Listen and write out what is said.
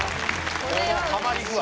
このハマり具合。